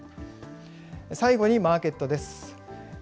最後にマーケットです。